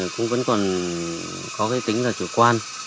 cũng vẫn còn có cái tính là chủ quan